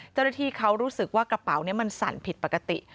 เจ้าหน้าที่เขารู้สึกว่ากระเป๋านี้มันสั่นผิดปกติ